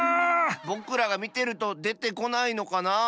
ぼくらがみてるとでてこないのかなあ。